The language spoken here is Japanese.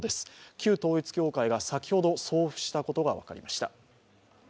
旧統一教会が先ほど送付したことが分かりました。